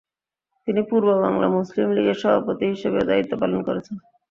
তিনি পূর্ববাংলা মুসলিম লীগের সভাপতি হিসেবেও দায়িত্বপালন করেছেন।